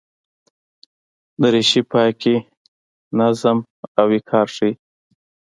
دریشي پاکي، نظم او وقار ښيي.